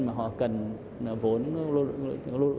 mà họ cần vốn